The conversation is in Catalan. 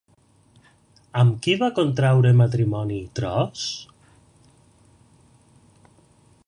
Amb qui va contraure matrimoni Tros?